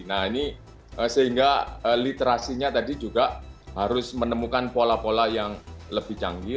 nah ini sehingga literasinya tadi juga harus menemukan pola pola yang lebih canggih